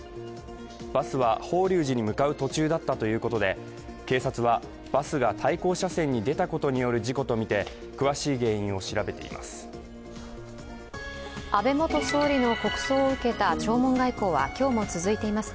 バスは法隆寺に向かう途中だったということで警察はバスが対向車線に出たことによる事故として詳しい原因を調べています。